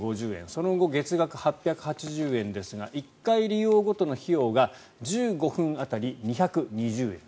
その後、月額８８０円ですが１回利用ごとの費用が１５分当たり２２０円。